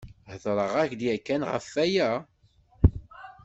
Hedreɣ-ak-d yakan ɣef aya?